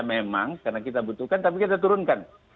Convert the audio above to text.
memang karena kita butuhkan tapi kita turunkan